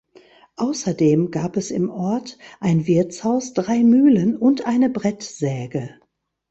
Außerdem gab es im Ort ein Wirtshaus, drei Mühlen und eine Brettsäge.